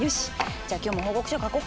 じゃ今日も報告書書こっか！